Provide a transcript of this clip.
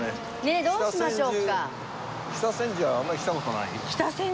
そうしましょう。